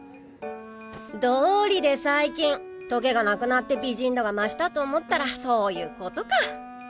どおりで最近トゲがなくなって美人度が増したと思ったらそういうことか。